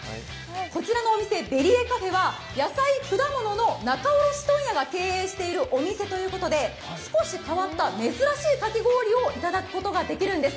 こちらのお店、ＢＥＬＩＥＲｃａｆｅは野菜や果物の仲卸問屋が経営しているお店ということで少し変わった珍しいかき氷をいただくことができるんです。